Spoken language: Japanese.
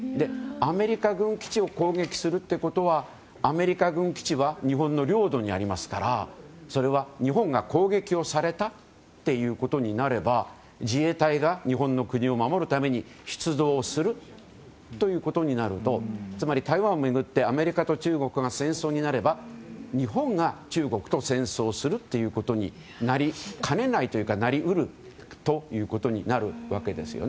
アメリカ軍基地を攻撃するということはアメリカ軍基地は日本の領土にありますからそれは日本が攻撃をされたということになれば自衛隊が日本の国を守るために出動するということになるとつまり台湾を巡ってアメリカと中国が戦争になれば、日本が中国と戦争するということになりかねないというかなり得るということになるわけです。